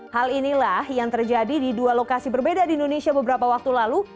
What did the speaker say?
hal inilah yang terjadi di dua lokasi berbeda di indonesia beberapa waktu lalu